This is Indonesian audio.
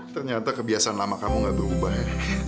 ternyata kebiasaan lama kamu gak berubah ya